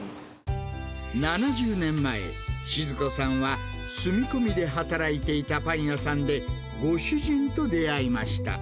７０年前、静子さんは住み込みで働いていたパン屋さんで、ご主人と出会いました。